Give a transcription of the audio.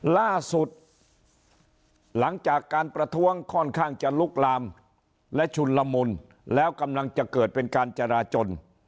ล่าสุดหลังจากการประท้วงค่อนข้างจะลุกลามและชุนละมุนแล้วกำลังจะเกิดเป็นการจราจน